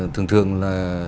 thường thường là